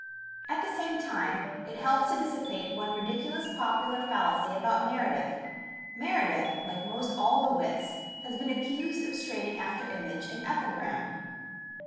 At the same time it helps to dissipate one ridiculous popular fallacy about Meredith. Meredith, like most all the wits, has been accused of straining after image and epigram.